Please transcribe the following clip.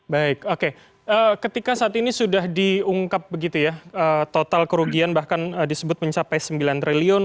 baik oke ketika saat ini sudah diungkap begitu ya total kerugian bahkan disebut mencapai sembilan triliun